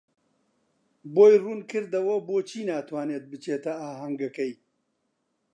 بۆی ڕوون کردەوە بۆچی ناتوانێت بچێتە ئاهەنگەکەی.